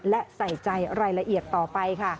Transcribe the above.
และใส่ใจรายละเอียดต่อไปค่ะ